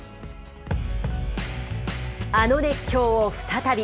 あの熱狂を、再び。